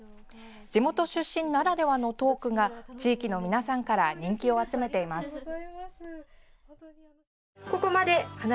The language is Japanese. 地元出身ならではのトークが地域の皆さんから人気を集めています。